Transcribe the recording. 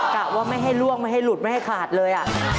กะว่าไม่ให้ล่วงไม่ให้หลุดไม่ให้ขาดเลย